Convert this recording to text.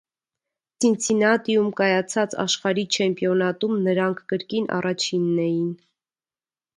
Ցինցինատիում կայացած աշխարհի չեմպիոնատում նրանք կրկին առաջինն էին։